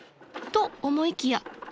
［と思いきや